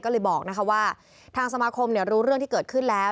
ก็เลยบอกว่าทางสมาคมรู้เรื่องที่เกิดขึ้นแล้ว